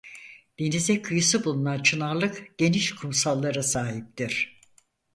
Denize kıyısı bulunan Çınarlık geniş kumsallara sahiptir.